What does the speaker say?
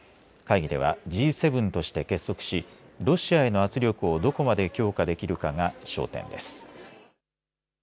会議ではＧ７として結束しロシアへの圧力をどこまで強化できるかが焦点です。